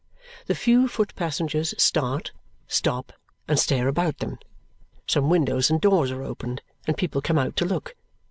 The few foot passengers start, stop, and stare about them. Some windows and doors are opened, and people come out to look.